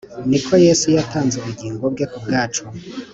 Niko yesu yatanze ubugingo bwe kubwacu